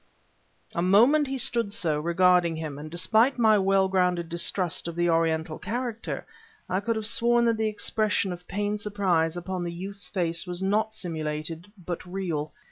A moment he stood so, regarding him, and despite my well grounded distrust of the Oriental character, I could have sworn that the expression of pained surprise upon the youth's face was not simulated but real.